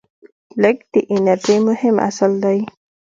لیږد د انرژۍ مهم اصل دی.